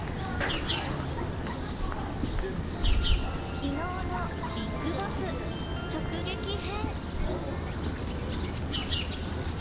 きのうのＢＩＧＢＯＳＳ直撃編。